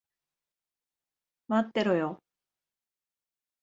待ってろよ。